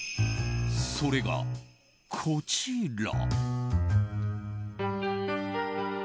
それが、こちら。